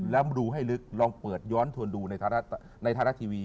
แล้วดูให้ลึกลองเปิดย้อนทวนดูในไทยรัฐทีวี